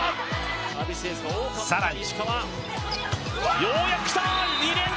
さらに。